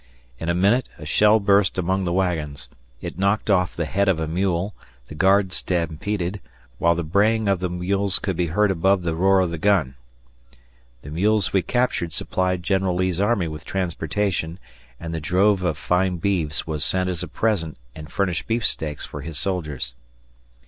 In a minute a shell burst among the wagons; it knocked off the head of a mule, the guard stampeded, while the braying of the mules could be heard above the roar of the gun. The mules we captured supplied General Lee's army with transportation, and the drove of fine beeves was sent as a present and furnished beefsteaks for his soldiers.